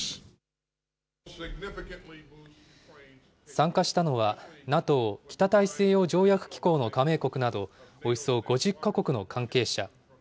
参加したのは、ＮＡＴＯ・北大西洋条約機構の加盟国など、およそ５０か国の関係者。